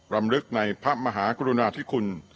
รำลึกในพระมหากรุณาธิคุณ